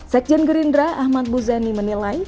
sekjen gerindra ahmad muzani menilai